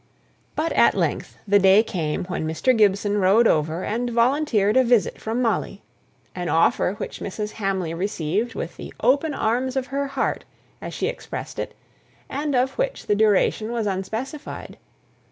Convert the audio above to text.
But at length the day came when Mr. Gibson rode over, and volunteered a visit from Molly; an offer which Mrs. Hamley received with the "open arms of her heart," as she expressed it; and of which the duration was unspecified.